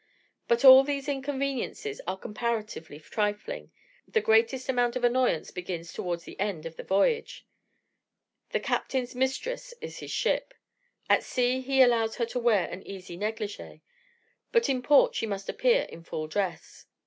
But all these inconveniences are comparatively trifling; the greatest amount of annoyance begins towards the end of the voyage. The captain's mistress is his ship. At sea he allows her to wear an easy neglige, but in port she must appear in full dress.